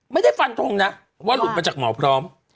ไม่ได้ฟันทงนะว่าหลุดมาจากหมอพร้อม